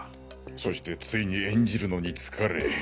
そしてついに演じるのに疲れ。